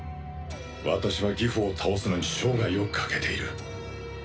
私はギフを倒すのに生涯を懸けている。